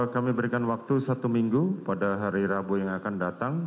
kami berikan waktu satu minggu pada hari rabu yang akan datang